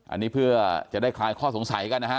อันนี้เพื่อจะได้คลายข้อสงสัยกันนะฮะ